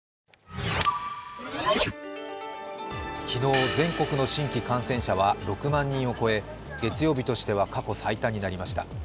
昨日、全国の新規感染者は６万人を超え月曜日としては過去最多になりました。